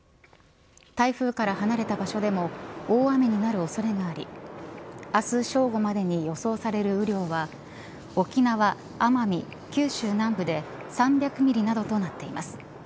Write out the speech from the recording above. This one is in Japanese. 台風から離れた場所でも大雨となる恐れがあり明日、正午までに予想される雨量は沖縄、奄美、九州南部で３００ミリなどとなっています。